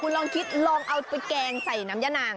คุณลองคิดลองเอาตะแกงใส่น้ำยะนาง